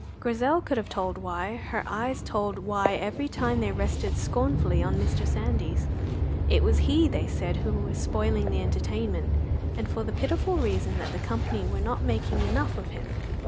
Grizel could have told why; her eyes told why every time they rested scornfully on Mr. Sandys. It was he, they said, who was spoiling the entertainment, and for the pitiful reason that the company were not making enough of him.